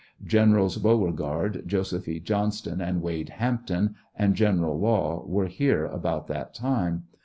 Generals Beauregard, Joseph E. Johnston, and Wade Hampton, and General Law were here about that time.